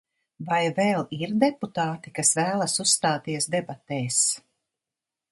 Vai vēl ir deputāti, kas vēlas uzstāties debatēs?